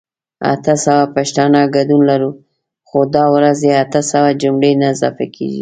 اته سوه پښتانه ګډون لرو خو دا ورځې اته سوه جملي نه اضافه کيږي